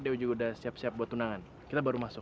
dia juga udah siap siap buat tunangan kita baru masuk